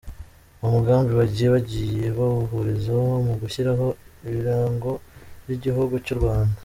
Uwo mugambi bagiye bagiye bawuhurizaho mu gushyiraho ibirango by’igihugu cy’u Rwanda.